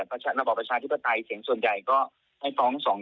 ระบอบประชาธิปไตยเสียงส่วนใหญ่ก็ให้ฟ้อง